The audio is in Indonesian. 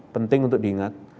penting untuk diingat